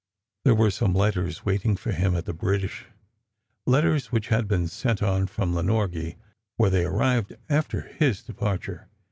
There were some letters waiting for him at the British — letters which had been sent on from Lenorgie, where they arrived after his departure.